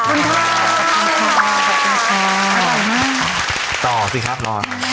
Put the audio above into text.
อร่อยมากต่อสิครับรอ